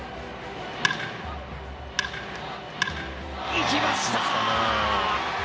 いきました！